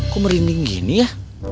kok merinding gini ya